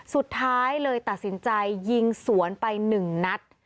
สุดท้ายเลยตัดสินใจยิงสวนไป๑นัด